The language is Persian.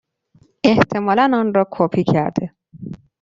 احتمالا آن را کپی کرده.